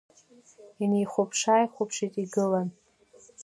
Инеихәаԥшы-ааихәаԥшуа игылан.